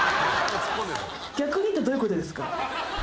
逆にってどういうことですか？